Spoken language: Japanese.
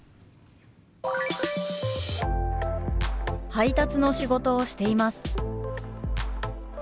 「配達の仕事をしています」。